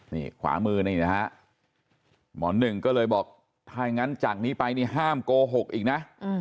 นี่ขวามือนี่นะฮะหมอหนึ่งก็เลยบอกถ้างั้นจากนี้ไปนี่ห้ามโกหกอีกนะ